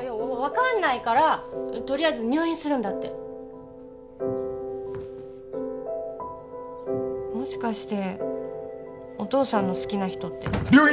分かんないからとりあえず入院するんだってもしかしてお父さんの好きな人って病院